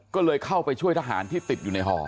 ก็เลยเข้าไปช่วยทหารที่ติดอยู่ในห่อ